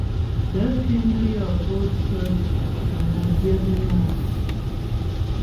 Gaə̂ fíŋ nə́ yɔ́ pótsə́ ka nə́ byə̌pnyə́ a ?